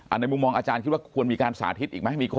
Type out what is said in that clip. ในมุมมองอาจารย์คิดว่าควรมีการสาธิตอีกไหม